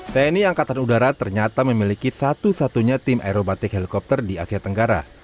tni angkatan udara ternyata memiliki satu satunya tim aerobatik helikopter di asia tenggara